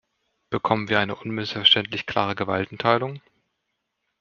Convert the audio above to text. Bekommen wir eine unmissverständlich klare Gewaltenteilung?